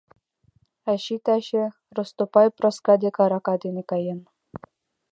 Ачий, таче Ростопей Проска дек арака дене каена.